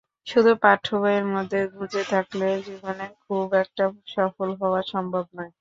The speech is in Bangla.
শুধু পাঠ্যবইয়ের মধ্যে গুজে থাকলে জীবনে খুব একটা সফল হওয়া সম্ভব নয়।